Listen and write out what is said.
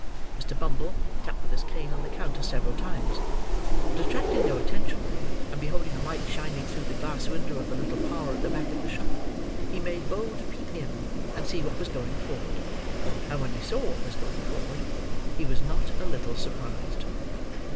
Mr. Bumble tapped with his cane on the counter several times; but, attracting no attention, and beholding a light shining through the glass window of the little parlour at the back of the shop, he made bold to peep in and see what was going forward; and when he saw what was going forward, he was not a little surprised.